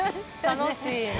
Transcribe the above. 楽しいな。